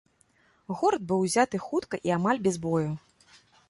Горад быў узяты хутка і амаль без бою.